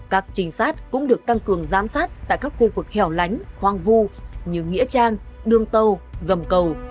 các trinh sát cũng được tăng cường giám sát tại các khu vực hẻo lánh hoang vu như nghĩa trang đương tâu gầm cầu